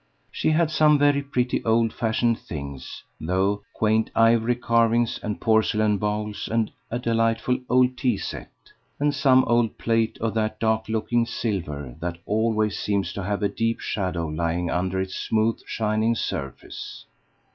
She had some very pretty old fashioned things, though quaint ivory carvings and porcelain bowls, and a delightful old tea set, and some old plate of that dark looking silver that always seems to have a deep shadow lying under its smooth shining surface.